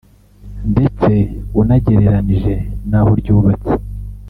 ndetse unagereranije n’aho ryubatse